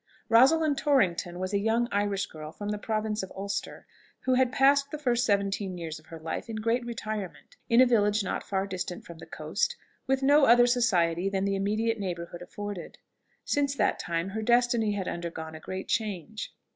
Rosalind Torrington was a young Irish girl from the province of Ulster, who had passed the first seventeen years of her life in great retirement, in a village not far distant from the coast, with no other society than the immediate neighbourhood afforded. Since that time her destiny had undergone a great change.